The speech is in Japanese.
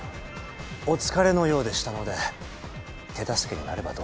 お疲れのようでしたので手助けになればと思い。